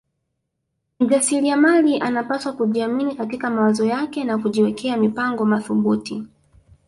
Mjasiliamali anapaswa kujiamini katika mawazo yake na kujiwekea mipango mathubuti